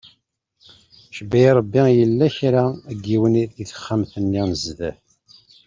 Icebba-yi Ṛebbi yella kra n yiwen di texxamt-nni n zdat.